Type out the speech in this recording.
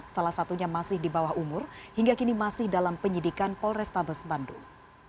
salah satunya masih di bawah umur hingga kini masih dalam penyidikan polrestabes bandung